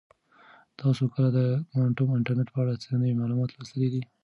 تاسو کله د کوانټم انټرنیټ په اړه څه نوي معلومات لوستي دي؟